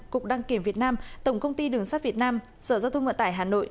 cục đăng kiểm việt nam tổng công ty đường sắt việt nam sở giao thông vận tải hà nội